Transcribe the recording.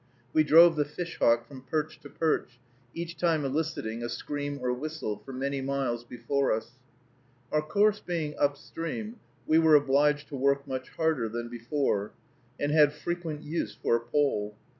We drove the fish hawk from perch to perch, each time eliciting a scream or whistle, for many miles before us. Our course being up stream, we were obliged to work much harder than before, and had frequent use for a pole.